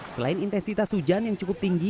selain intensitas hujan yang cukup tinggi